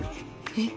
えっ。